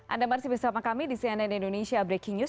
anda masih bersama kami di cnn indonesia breaking news